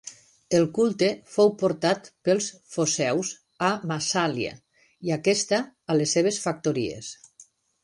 El culte fou portat pels foceus a Massàlia i aquesta a les seves factories.